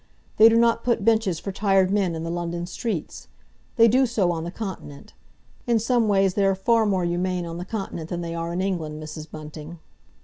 They do not put benches for tired men in the London streets. They do so on the Continent. In some ways they are far more humane on the Continent than they are in England, Mrs. Bunting."